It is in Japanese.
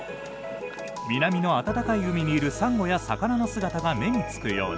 南の暖かい海にいるサンゴや魚の姿が目につくように。